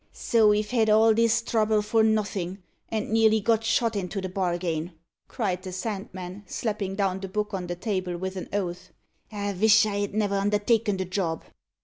"So we've had all this trouble for nuffin', and nearly got shot into the bargain," cried the Sandman, slapping down the book on the table with an oath. "I vish I'd never undertaken the job."